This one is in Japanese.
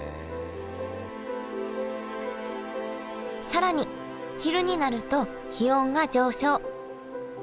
更に昼になると気温が上昇。